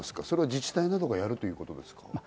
自治体などがやるということですか？